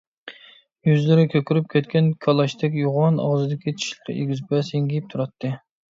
يۈزلىرى كۆكىرىپ كەتكەن، كالاچتەك يوغان ئاغزىدىكى چىشلىرى ئېگىز - پەس ھىڭگىيىپ تۇراتتى.